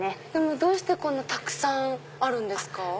どうしてこんなたくさんあるんですか？